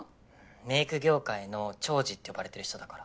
⁉メイク業界の寵児って呼ばれてる人だから。